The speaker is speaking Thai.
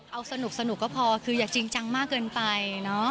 เอาสนุกก็พอคืออย่าจริงจังมากเกินไปเนอะ